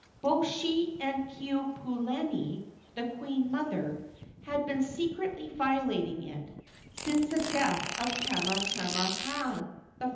Both she and Keopuolani, the queen mother, had been secretly violating it, since the death of Kamehameha I.